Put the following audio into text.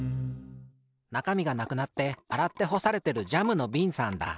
なかみがなくなってあらってほされてるジャムのびんさんだ。